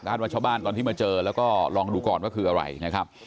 ว่าชาวบ้านตอนที่มาเจอแล้วก็ลองดูก่อนว่าคืออะไรนะครับ